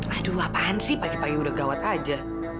aduh ngapain sih pagi pagi udah gawat aja